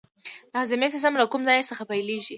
د هاضمې سیستم له کوم ځای څخه پیلیږي